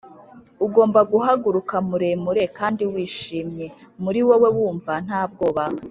ugomba guhaguruka muremure kandi wishimye, muri wowe wumva nta bwoba,